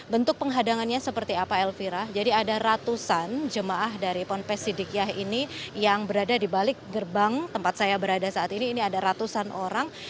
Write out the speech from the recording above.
bentuk penghadangannya seperti apa elvira jadi ada ratusan jemaah dari ponpes sidikiah ini yang berada di balik gerbang tempat saya berada saat ini ini ada ratusan orang